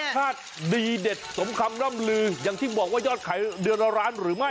ชาติดีเด็ดสมคำล่ำลืออย่างที่บอกว่ายอดขายเดือนละร้านหรือไม่